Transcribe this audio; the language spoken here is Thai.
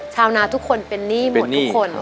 ชาวนาทุกคนเป็นหนี้หมดทุกคน